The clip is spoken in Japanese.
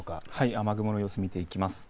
雨雲の様子、見ていきます。